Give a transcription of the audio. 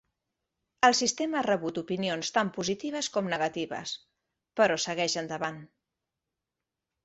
El sistema ha rebut opinions tant positives com negatives, però segueix endavant.